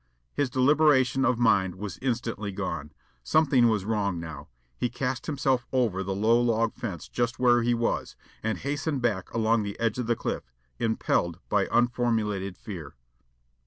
His deliberation of mind was instantly gone. Something was wrong now. He cast himself over the low log fence just where he was, and hastened back along the edge of the cliff, impelled by unformulated fear.